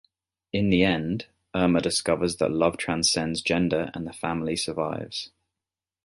In the end, Irma discovers that love transcends gender and the family survives.